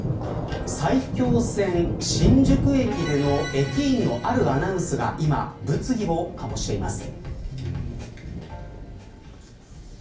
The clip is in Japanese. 埼京線、新宿駅での駅員のあるアナウンスが今、物議を醸しています。